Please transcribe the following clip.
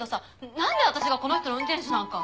なんで私がこの人の運転手なんか。